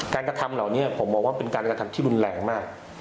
กระทำเหล่านี้ผมมองว่าเป็นการกระทำที่รุนแรงมาก